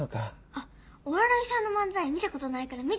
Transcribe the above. あっお笑いさんの漫才見たことないから見てみたい。